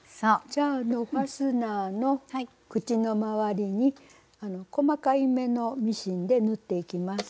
じゃあファスナーの口の周りに細かい目のミシンで縫っていきます。